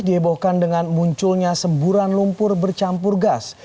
diebohkan dengan munculnya semburan lumpur bercampur gas